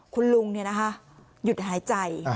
คุณลุงหยุดหายใจ